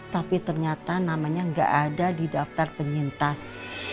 tapi ternyata namanya nggak ada di daftar penyintas